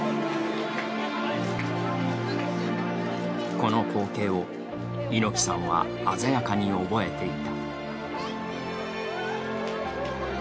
この光景を、猪木さんは鮮やかに覚えていた。